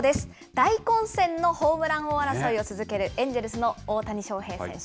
大混戦のホームラン王争いを続けるエンジェルスの大谷翔平選手。